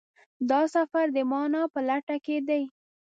دا سفر د مانا په لټه کې دی.